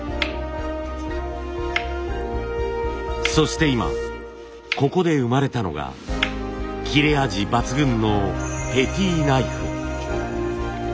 そして今ここで生まれたのが切れ味抜群のペティナイフ。